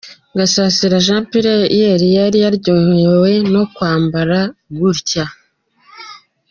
Gasasira Jean Pierre yari yaryohewe no kwambara gutya.